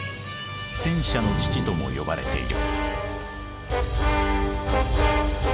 「戦車の父」とも呼ばれている。